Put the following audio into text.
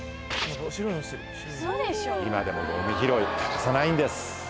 今でもゴミ拾い欠かさないんです